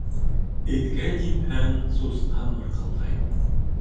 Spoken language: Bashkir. Эткә типһәң, сусҡа мырҡылдай.